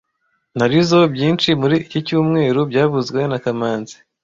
Narizoe byinshi muri iki cyumweru byavuzwe na kamanzi